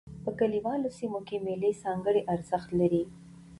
په کلیوالو سیمو کښي مېلې ځانګړی ارزښت لري.